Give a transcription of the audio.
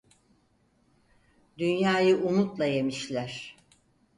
Dünyayı umutla yemişler.